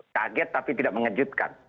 kaget tapi tidak mengejutkan